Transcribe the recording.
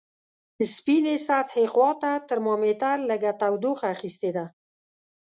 سپینې سطحې خواته ترمامتر لږه تودوخه اخستې ده.